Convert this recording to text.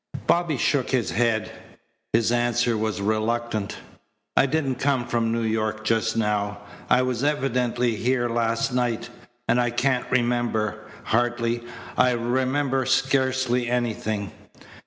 Bobby shook his head. His answer was reluctant. "I didn't come from New York just now. I was evidently here last night, and I can't remember, Hartley. I remember scarcely anything."